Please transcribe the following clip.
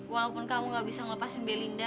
walaupun kamu nggak bisa ngelepasin belinda